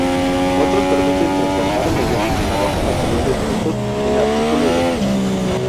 Otros permiten transformar mediante el trabajo materiales brutos en artículos de consumo.